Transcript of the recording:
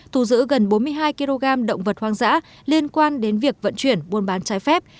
thu giữ gần bốn mươi hai kg động vật hoang dã liên quan đến việc vận chuyển buôn bán trái phép